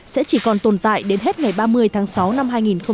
sẽ chỉ còn tồn tại đến hết ngày ba mươi tháng sáu năm hai nghìn hai mươi